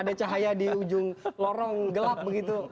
ada cahaya di ujung lorong gelap begitu